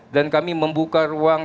dan kami membuka ruang